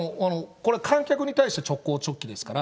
これ、観客に対して直行直帰ですから。